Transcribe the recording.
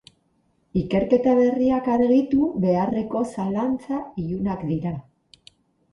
Ikerketa berriak argitu beharreko zalantza ilunak dira.